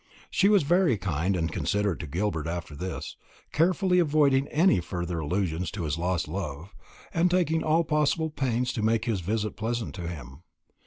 She was very kind and considerate to Gilbert after this, carefully avoiding any farther allusions to his lost love, and taking all possible pains to make his visit pleasant to him.